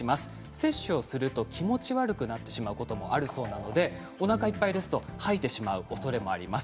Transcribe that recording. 接種をすると気持ち悪くなってしまうこともあるそうなのでおなかいっぱいですと吐いてしまうおそれもあります。